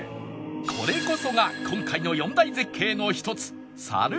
これこそが今回の４大絶景の一つ猿橋